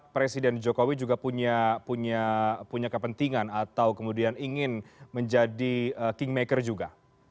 presiden jokowi juga punya kepentingan atau kemudian ingin menjadi kingmaker juga